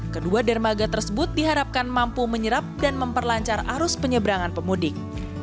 kedua dermaga tersebut diharapkan mampu menyerap dan memperlancar arus penyeberangan pemudik